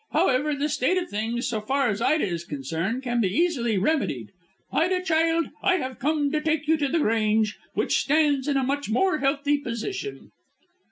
However, this state of things, so far as Ida is concerned, can be easily remedied. Ida, child, I have come to take you to the Grange, which stands in a much more healthy position."